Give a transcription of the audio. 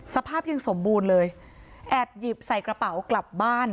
สภาพยังสมบูรณ์เลยแอบหยิบใส่กระเป๋ากลับบ้าน